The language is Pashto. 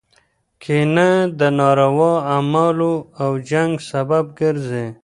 کینه د ناروا اعمالو او جنګ سبب ګرځي.